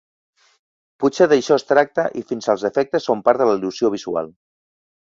Potser d'això es tracta i fins als defectes són part de la il·lusió visual.